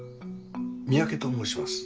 三宅と申します。